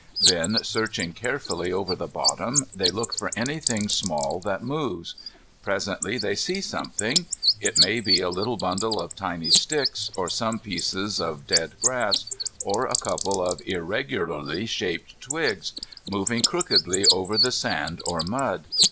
Then, searching carefully over the bottom, they look for anything small that moves. Presently they see something. It may be a little bundle of tiny sticks, or some pieces of dead grass, or a couple of irregularly shaped twigs, moving crookedly over the sand or mud.